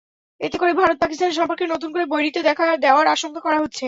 এতে করে ভারত-পাকিস্তানের সম্পর্কে নতুন করে বৈরিতা দেখা দেওয়ার আশঙ্কা করা হচ্ছে।